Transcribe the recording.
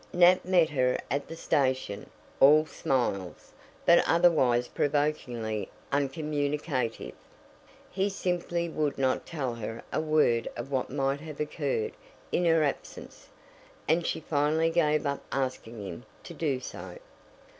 Nat met her at the station, all smiles, but otherwise provokingly uncommunicative. He simply would not tell her a word of what might have occurred in her absence, and she finally gave up asking him to do so.